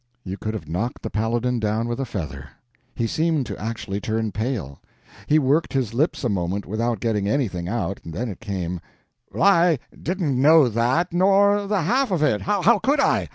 You could have knocked the Paladin down with a feather. He seemed to actually turn pale. He worked his lips a moment without getting anything out; then it came: "I didn't know that, nor the half of it; how could I?